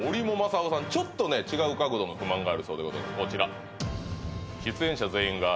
ちょっとね違う角度の不満があるそうでございます